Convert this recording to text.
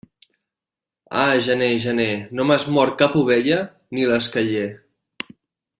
Ah, gener, gener, no m'has mort cap ovella ni l'esqueller.